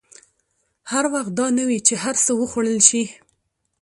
هر وخت دا نه وي چې هر څه وخوړل شي.